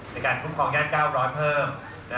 ในการคุ้มครองด้าน๙๐๐เพิ่ม